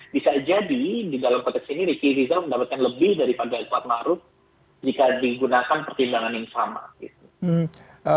bisa jadi di dalam konteks ini ricky rizal mendapatkan lebih daripada fuad ma'ru jika digunakan pertimbangan yang sama